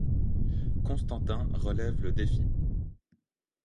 Constantin relève le défi.